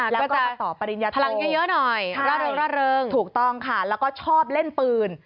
แล้วก็ต่อปริญญาโตใช่ถูกต้องค่ะแล้วก็ชอบเล่นปืน